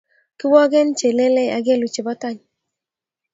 Kiwakeen chelelei ak kelu chebo tany